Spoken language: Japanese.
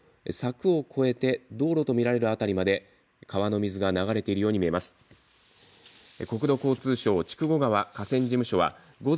画面を見ていても画面の奥のほう柵を越えて道路と見られる辺りまで川の水が流れているように見えます。